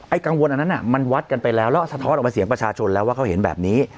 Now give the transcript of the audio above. กังวลอันนั้นมันวัดกันไปแล้วแล้วสะท้อนออกมาเสียงประชาชนแล้วว่าเขาเห็นแบบนี้